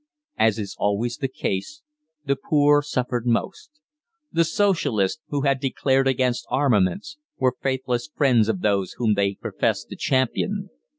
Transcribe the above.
As is always the case, the poor suffered most. The Socialists, who had declared against armaments, were faithless friends of those whom they professed to champion.